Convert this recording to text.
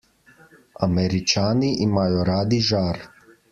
Američani imajo radi žar.